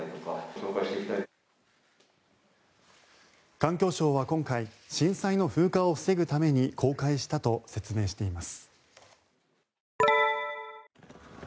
環境省は今回震災の風化を防ぐために公開したと説明しています。